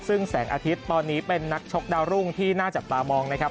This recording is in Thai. ซึ่งแสงอาทิตย์ตอนนี้เป็นนักชกดาวรุ่งที่น่าจับตามองนะครับ